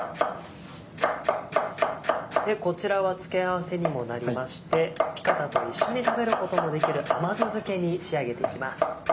こちらは付け合わせにもなりましてピカタと一緒に食べることのできる甘酢漬けに仕上げていきます。